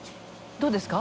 どうですか？